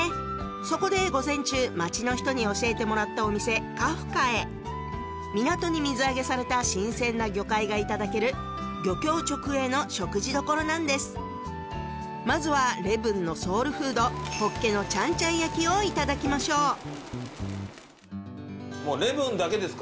そこで午前中街の人に教えてもらったお店「かふか」へ港に水揚げされた新鮮な魚介がいただける漁協直営の食事処なんですまずは礼文のソウルフード「ほっけのチャンチャン焼」をいただきましょうもう礼文だけですか？